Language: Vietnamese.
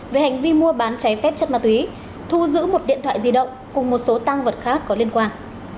về hành vi mua bán cháy phép chất ma túy thu giữ một điện thoại di động cùng một số tăng vật khác có liên quan